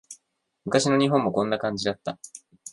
昔の日本もこんな感じだった